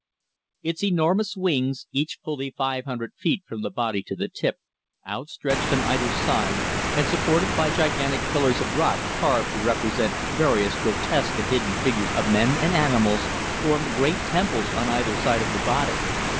Its enormous wings, each fully five hundred feet from the body to tip, outstretched on either side and supported by gigantic pillars of rock carved to represent various grotesque and hideous figures of men and animals, formed great temples on either side of the body.